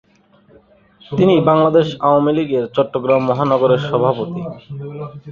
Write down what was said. তিনি বাংলাদেশ আওয়ামী লীগের চট্টগ্রাম মহানগরের সভাপতি।